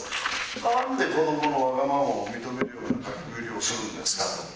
なんで子どものわがままを認めるような書きぶりをするんですかと。